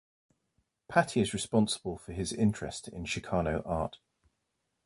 Patti is responsible for his interest in Chicano Art.